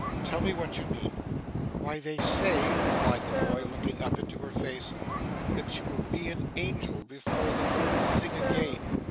'Tell me what you mean.' 'Why, they say,' replied the boy, looking up into her face, that you will be an Angel, before the birds sing again.